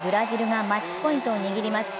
勢いに乗るブラジルがマッチポイントを握ります。